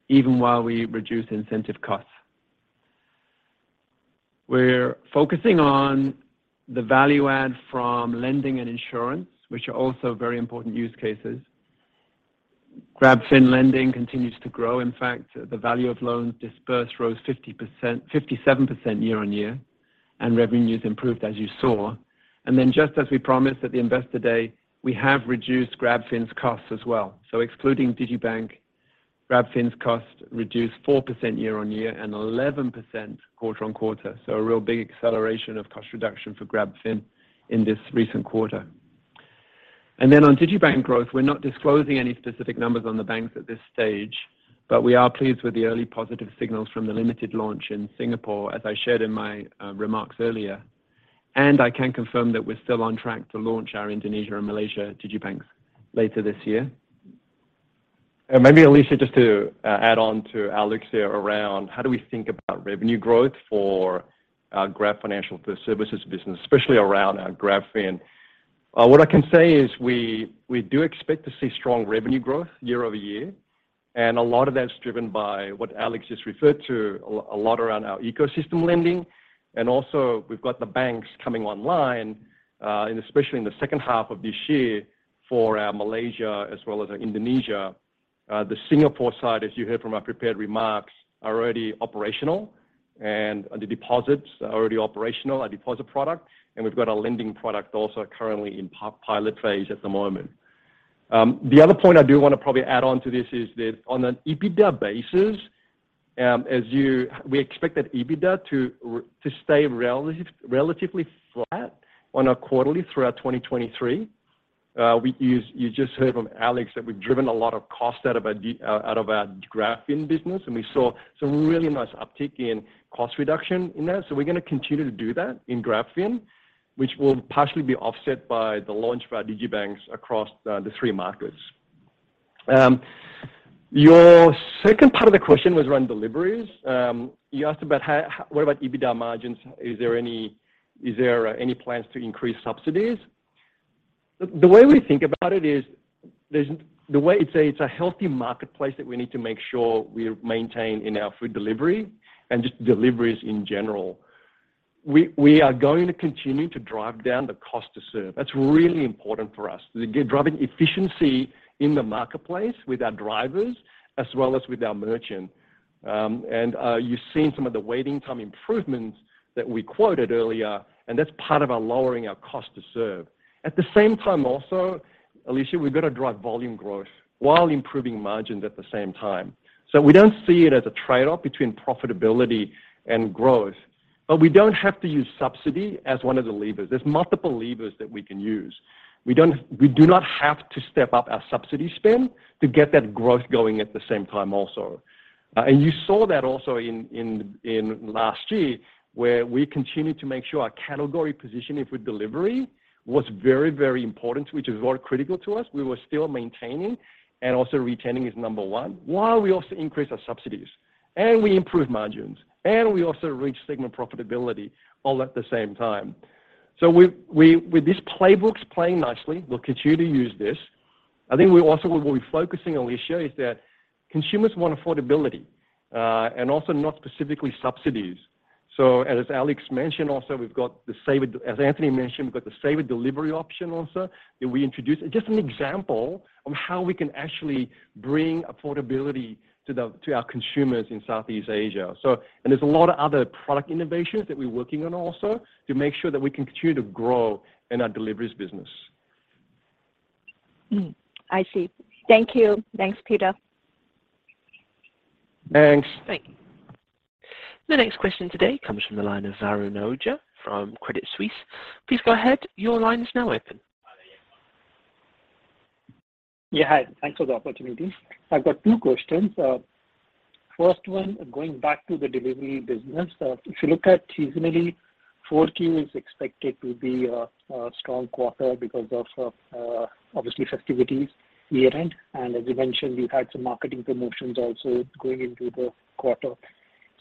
Speaker 4: even while we reduce incentive costs. We're focusing on the value add from lending and insurance, which are also very important use cases. GrabFin lending continues to grow. In fact, the value of loans dispersed rose 50%, 57% year-on-year, and revenues improved as you saw. Just as we promised at the Investor Day, we have reduced GrabFin's costs as well. Excluding Digibank, GrabFin's cost reduced 4% year-on-year and 11% quarter-on-quarter. A real big acceleration of cost reduction for GrabFin in this recent quarter. On Digibank growth, we're not disclosing any specific numbers on the banks at this stage, but we are pleased with the early positive signals from the limited launch in Singapore, as I shared in my remarks earlier. I can confirm that we're still on track to launch our Indonesia and Malaysia Digibanks later this year.
Speaker 5: Maybe, Alicia, just to add on to Alex here around how do we think about revenue growth for our Grab Financial Services business, especially around our GrabFin. What I can say is we do expect to see strong revenue growth year-over-year, and a lot of that's driven by what Alex just referred to a lot around our ecosystem lending. We've got the banks coming online, especially in the second half of this year for our Malaysia as well as our Indonesia. The Singapore side, as you heard from my prepared remarks, are already operational and the deposits are already operational, our deposit product, and we've got a lending product also currently in pilot phase at the moment. The other point I do wanna probably add on to this is that on an EBITDA basis, we expect that EBITDA to stay relatively flat on a quarterly throughout 2023. You just heard from Alex that we've driven a lot of cost out of our GrabFin business, we saw some really nice uptick in cost reduction in that. We're gonna continue to do that in GrabFin, which will partially be offset by the launch of our digibanks across the t hreemarkets. Your second part of the question was around deliveries. You asked about what about EBITDA margins? Is there any plans to increase subsidies? The way we think about it is the way it's a healthy marketplace that we need to make sure we maintain in our food delivery and just deliveries in general. We are going to continue to drive down the cost to serve. That's really important for us, driving efficiency in the marketplace with our drivers as well as with our merchant. You've seen some of the waiting time improvements that we quoted earlier, and that's part of our lowering our cost to serve. At the same time also, Alicia, we've got to drive volume growth while improving margins at the same time. We don't see it as a trade-off between profitability and growth, but we don't have to use subsidy as one of the levers. There's multiple levers that we can use. We do not have to step up our subsidy spend to get that growth going at the same time also. You saw that also in last year, where we continued to make sure our category positioning for delivery was very, very important to, which is very critical to us. We were still maintaining and also retaining is number one, while we also increase our subsidies and we improve margins and we also reach segment profitability all at the same time. We with these playbooks playing nicely, we'll continue to use this. I think we also what we'll be focusing on, Alicia, is that consumers want affordability, and also not specifically subsidies. As Alex mentioned also, as Anthony mentioned, we've got the save with delivery option also that we introduced. Just an example of how we can actually bring affordability to our consumers in Southeast Asia. There's a lot of other product innovations that we're working on also to make sure that we continue to grow in our deliveries business.
Speaker 10: I see. Thank you. Thanks, Peter.
Speaker 5: Thanks.
Speaker 10: Thank you.
Speaker 1: The next question today comes from the line of Varun Ahuja from Credit Suisse. Please go ahead. Your line is now open.
Speaker 11: Yeah, hi. Thanks for the opportunity. I've got two questions. First one, going back to the delivery business. If you look at seasonally, four Q is expected to be a strong quarter because of obviously festivities year-end. As you mentioned, we had some marketing promotions also going into the quarter.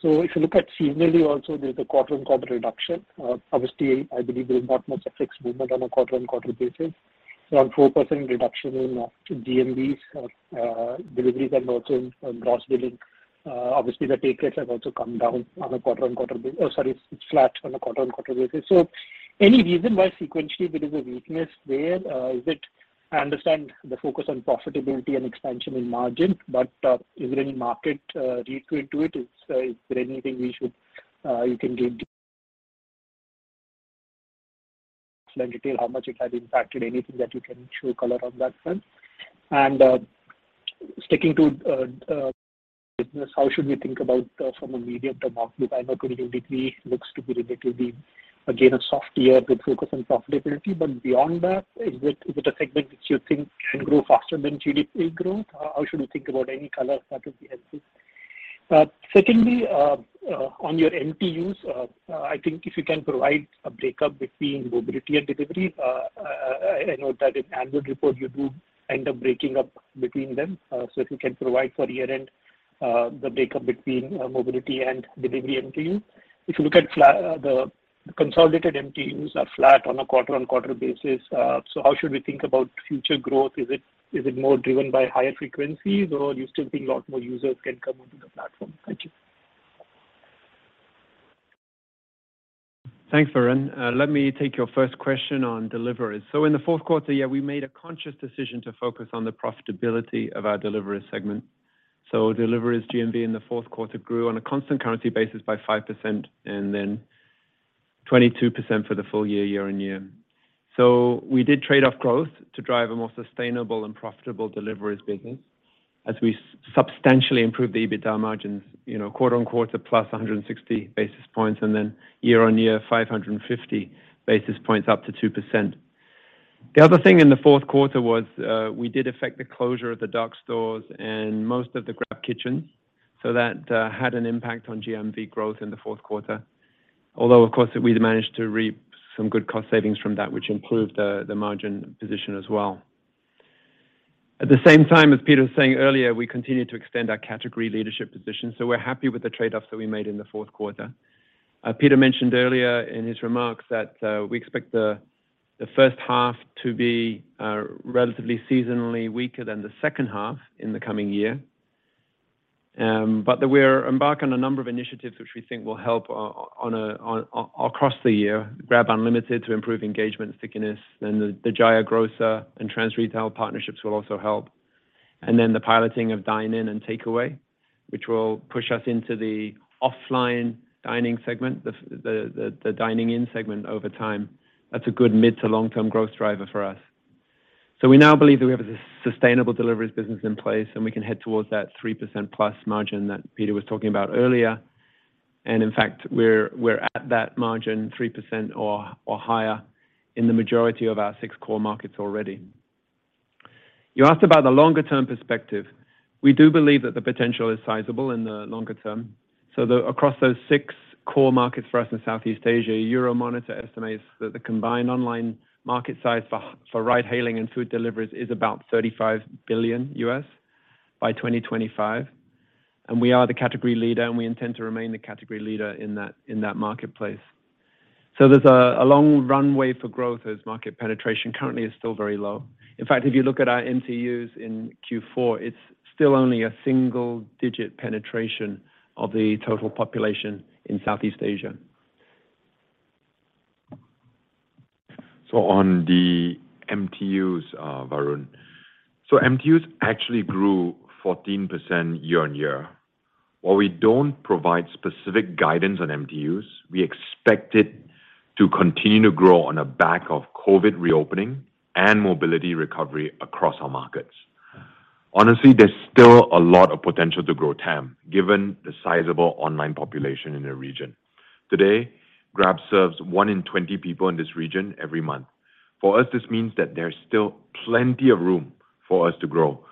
Speaker 11: If you look at seasonally also, there's a quarter-on-quarter reduction. Obviously, I believe there's not much FX movement on a quarter-on-quarter basis. On 4% reduction in GMVs, deliveries and also in gross billing, obviously the take rates have also come down on a quarter-on-quarter basis. Sorry, flat on a quarter-on-quarter basis. Any reason why sequentially there is a weakness there? Is it... I understand the focus on profitability and expansion in margin, is there any market read to it? Is there anything we should, you can give detail how much it has impacted? Anything that you can show color on that front. Sticking to business, how should we think about from a medium-term outlook? I know 2023 looks to be relatively, again, a soft year with focus on profitability. Beyond that, is it a segment that you think can grow faster than GDP growth? How should we think about any color that would be helpful. Secondly, on your MTUs, I think if you can provide a breakup between mobility and delivery. I know that in annual report you do end up breaking up between them. If you can provide for year-end, the breakup between mobility and delivery MTU? If you look at the consolidated MTUs are flat on a quarter-over-quarter basis, how should we think about future growth? Is it more driven by higher frequencies or you still think a lot more users can come onto the platform? Thank you.
Speaker 4: Thanks, Varun. Let me take your first question on deliveries. In the fourth quarter, yeah, we made a conscious decision to focus on the profitability of our deliveries segment. Deliveries GMV in the fourth quarter grew on a constant currency basis by 5% and then 22% for the full year-on-year. We did trade-off growth to drive a more sustainable and profitable deliveries business as we substantially improved the EBITDA margins, you know, quarter-on-quarter plus 160 basis points and then year-on-year, 550 basis points up to 2%. The other thing in the fourth quarter was, we did affect the closure of the dark stores and most of the GrabKitchens, that had an impact on GMV growth in the fourth quarter.
Speaker 5: Of course, we managed to reap some good cost savings from that, which improved the margin position as well. At the same time, as Peter was saying earlier, we continued to extend our category leadership position, so we're happy with the trade-offs that we made in the fourth quarter. Peter mentioned earlier in his remarks that, we expect the first half to be, relatively seasonally weaker than the second half in the coming year.
Speaker 4: That we're embarking on a number of initiatives which we think will help across the year, Grab Unlimited to improve engagement stickiness, and the Jaya Grocer and Trans Retail partnerships will also help. The piloting of dine-in and takeaway, which will push us into the offline dining segment, the dining-in segment over time. That's a good mid to long-term growth driver for us. We now believe that we have a sustainable deliveries business in place, and we can head towards that 3% plus margin that Peter was talking about earlier. In fact, we're at that margin, 3% or higher in the majority of our six core markets already. You asked about the longer term perspective. We do believe that the potential is sizable in the longer term. The, across those six core markets for us in Southeast Asia, Euromonitor estimates that the combined online market size for ride hailing and food deliveries is about $35 billion by 2025, and we are the category leader, and we intend to remain the category leader in that, in that marketplace. There's a long runway for growth as market penetration currently is still very low. In fact, if you look at our MTUs in Q4, it's still only a single digit penetration of the total population in Southeast Asia.
Speaker 3: On the MTUs, Varun. MTUs actually grew 14% year-on-year. While we don't provide specific guidance on MTUs, we expect it to continue to grow on the back of COVID reopening and mobility recovery across our markets. Honestly, there's still a lot of potential to grow TAM, given the sizable online population in the region. Today, Grab serves one in 20 people in this region every month. For us, this means that there's still plenty of room for us to grow.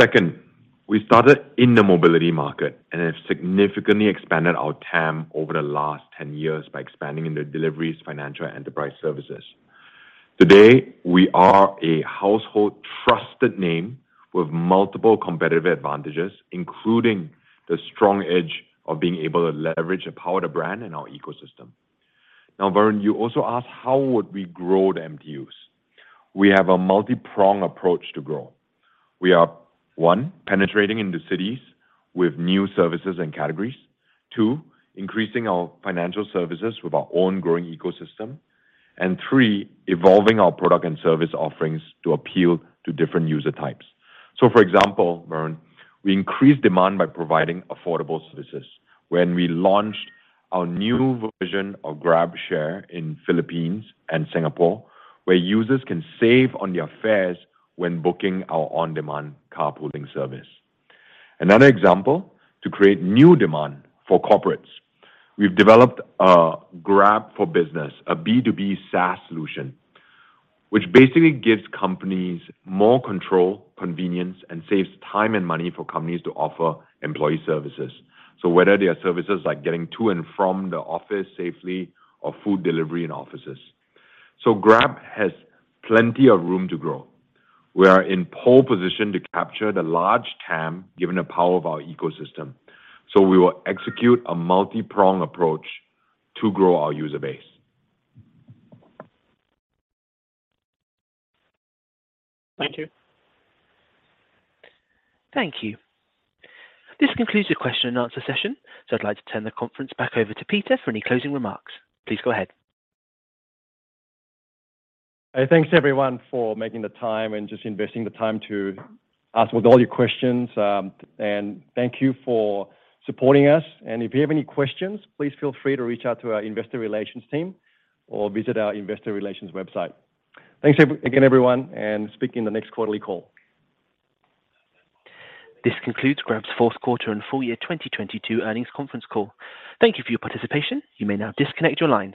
Speaker 3: Second, we started in the mobility market and have significantly expanded our TAM over the last 10 years by expanding into deliveries, financial, and enterprise services. Today, we are a household trusted name with multiple competitive advantages, including the strong edge of being able to leverage the power of the brand in our ecosystem. Varun, you also asked how would we grow the MTUs. We have a multi-prong approach to grow. We are, one, penetrating into cities with new services and categories. Two, increasing our financial services with our own growing ecosystem. Three, evolving our product and service offerings to appeal to different user types. For example, Varun, we increased demand by providing affordable services when we launched our new version of GrabShare in Philippines and Singapore, where users can save on their fares when booking our on-demand carpooling service. Another example, to create new demand for corporates. We've developed Grab for Business, a B2B SaaS solution, which basically gives companies more control, convenience, and saves time and money for companies to offer employee services. Whether they are services like getting to and from the office safely or food delivery in offices. Grab has plenty of room to grow. We are in pole position to capture the large TAM, given the power of our ecosystem. We will execute a multi-prong approach to grow our user base.
Speaker 4: Thank you.
Speaker 1: Thank you. This concludes the question and answer session, so I'd like to turn the conference back over to Peter for any closing remarks. Please go ahead.
Speaker 4: Hey, thanks everyone for making the time and just investing the time to ask us all your questions. Thank you for supporting us. If you have any questions, please feel free to reach out to our investor relations team or visit our investor relations website. Thanks again, everyone, and speak in the next quarterly call.
Speaker 1: This concludes Grab's fourth quarter and full year 2022 earnings conference call. Thank you for your participation. You may now disconnect your lines.